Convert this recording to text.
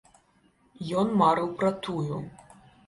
Ён марыў пра тую.